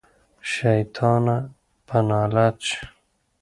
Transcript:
شيطانه په نالت شې.